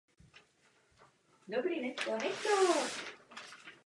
Starbucks tráví také spoustu času a energie rozlišením od své konkurence.